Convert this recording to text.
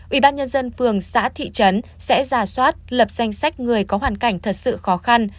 ubnd phường xã thị trấn sẽ ra soát lập danh sách người có hoàn cảnh thật sự khó khăn